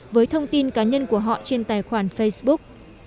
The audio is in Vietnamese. với thông tin cá nhân của họ trên tài khoản facebook